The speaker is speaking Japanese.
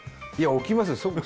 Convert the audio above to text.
いや置きますよ